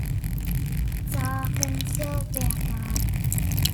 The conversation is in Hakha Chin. Ca ka'n ṭial piak lai.